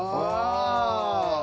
ああ。